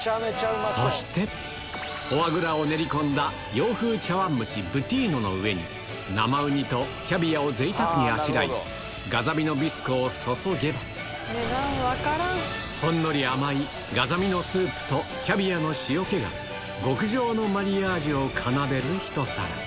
そして、フォアグラを練り込んだ洋風茶わん蒸し、ブティーノの上に、生ウニとキャビアをぜいたくにあしらい、ガザミのビスクを注げば、ほんのり甘いガザミのスープとキャビアの塩けが極上のマリアージュを奏でる一皿。